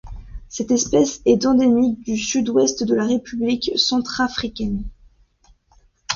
Cette espèce est endémique du Sud-Ouest de la République centrafricaine.